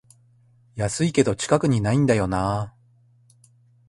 安いけど近くにないんだよなあ